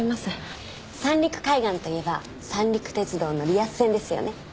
三陸海岸といえば三陸鉄道のリアス線ですよね。